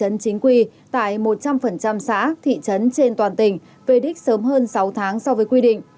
nguyên quy tại một trăm linh xã thị trấn trên toàn tỉnh về đích sớm hơn sáu tháng so với quy định